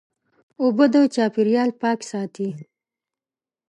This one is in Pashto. اوبه د چاپېریال پاک ساتي.